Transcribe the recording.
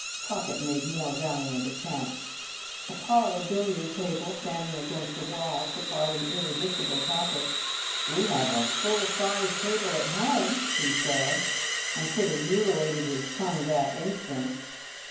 Pocket made more valiant attempts. A parlour billiard table, standing against the wall, supplied an irresistible topic. "We have a full size table at home," he said, and could have mutilated his tongue that instant.